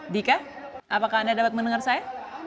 dika apakah anda dapat mendengar saya